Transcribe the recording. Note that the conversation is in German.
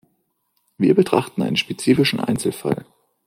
Wir betrachten einen spezifischen Einzelfall.